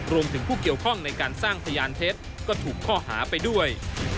ผู้เกี่ยวข้องในการสร้างพยานเท็จก็ถูกข้อหาไปด้วย